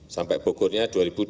sampai pokoknya dua ribu dua puluh satu